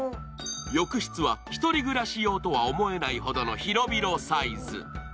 浴室はひとり暮らし用とは思えないぐらいの広々サイズ。